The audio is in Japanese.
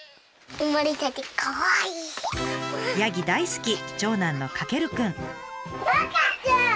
ヤギ大好き長男のかけるくん。